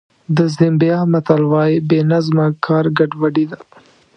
د زیمبیا متل وایي بې نظمه کار ګډوډي ده.